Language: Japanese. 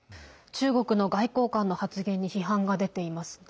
中国の外交官の発言に批判が出ていますね。